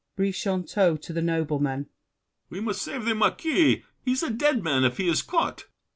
BRICHANTEAU (to the noblemen). We must save the Marquis. He's a dead man if he is caught.